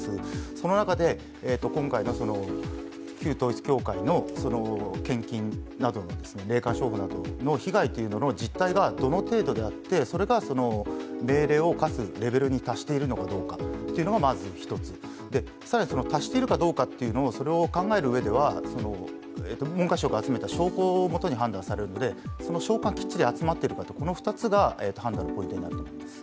その中で今回は旧統一教会の献金、霊感商法などの被害の実態がどの程度であって、それが命令を課すレベルに達しているのかというのがまず１つ、更に達しているかどうかというのを考えるうえでは文科省が集めた証拠をもとに判断されるので、証拠がきっちり集められているのか、この２つが判断の基準になります。